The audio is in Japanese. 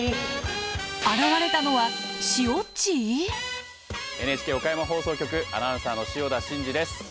現れたのはＮＨＫ岡山放送局アナウンサーの塩田慎二です。